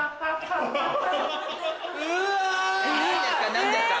何ですか？